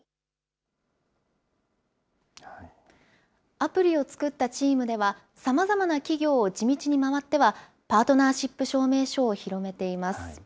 アプリを作ったチームでは、さまざまな企業を地道に回っては、パートナーシップ証明書を広めています。